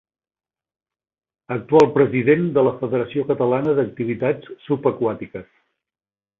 Actual president de la Federació Catalana d'Activitats Subaquàtiques.